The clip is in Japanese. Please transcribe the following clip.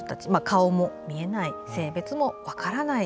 顔も見えない、性別も分からない